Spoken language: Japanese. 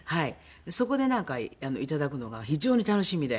そこでなんかいただくのが非常に楽しみで。